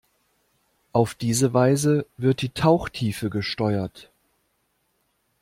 Auf diese Weise wird die Tauchtiefe gesteuert.